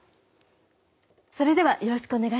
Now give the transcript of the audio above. それではよろしくお願いします。